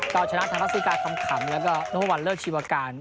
ก็ชนะทางลักษณิกาคำแล้วก็โนวัลเลิศชีวาการ